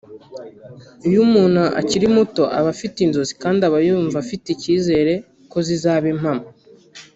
Iyo umuntu akiri muto aba afite inzozi kandi aba yumva afite ikizere ko zizaba impamo